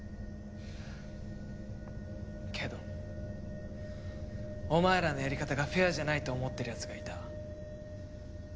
けどお前らのやり方がフェアじゃないと思ってる奴がいた。